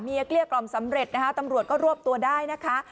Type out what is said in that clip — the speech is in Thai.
เกลี้ยกล่อมสำเร็จนะคะตำรวจก็รวบตัวได้นะคะ